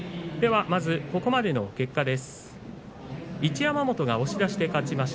ここまでの結果です。